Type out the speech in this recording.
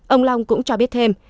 ông long cũng cho biết thêm